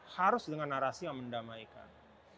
harus dengan narasi yang mendamaikan